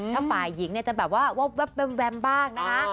ถ้าฝ่ายหญิงจะแบบว่าแวมบ้างนะ